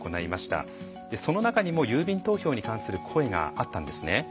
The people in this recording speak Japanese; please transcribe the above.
その中にも郵便投票に関する声があったんですね。